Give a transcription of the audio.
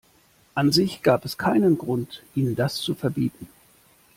An sich gab es keinen Grund, ihnen das zu verbieten.